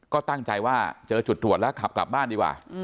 ก็ตั้งใจว่าเจอจุดตรวจแล้วขับกลับบ้านดีกว่า